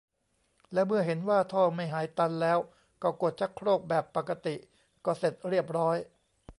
และเมื่อเห็นว่าท่อไม่หายตันแล้วก็กดชักโครกแบบปกติก็เสร็จเรียบร้อย